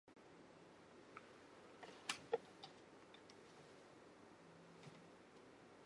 水の呼吸伍ノ型干天の慈雨（ごのかたかんてんのじう）